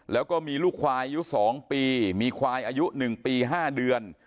แล้วก็มีลูกควายอายุ๒ปีมีควายอายุ๑ปี๕เดือน